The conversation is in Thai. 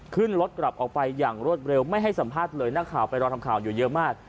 ขึ้นรถกลับออกไปอย่างรวดเร็วไม่ให้สัมภาษณ์เลยนักข่าวไปรอทำข่าวอยู่เยอะมาก